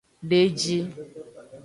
De eji.